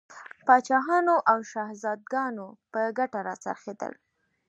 پاچاهانو او شهزادګانو په ګټه را څرخېدل.